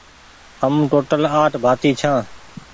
هم ٽوٽل آٺ ڀآتي ڇآن